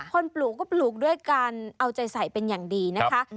ปลูกก็ปลูกด้วยการเอาใจใส่เป็นอย่างดีนะคะ